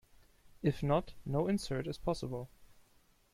If not, no insert is possible.